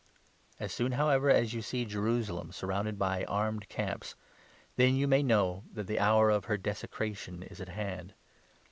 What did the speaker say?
As soon, 20 however, as you see Jerusalem surrounded by armed camps, then you may know that the hour of her desecration is at hand.